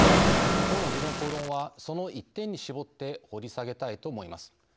きょうの「時論公論」はその一点に絞って掘り下げたいと思います。